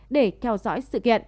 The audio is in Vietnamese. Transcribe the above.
để theo dõi